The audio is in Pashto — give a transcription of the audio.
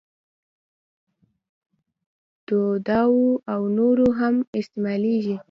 دواوو او نورو کې هم استعمالیږي.